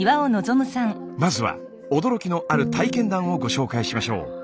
まずは驚きのある体験談をご紹介しましょう。